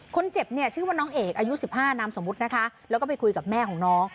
คนเจ็บเนี่ยชื่อว่าน้องเอกอายุ๑๕นามสมมุตินะคะแล้วก็ไปคุยกับแม่ของน้อง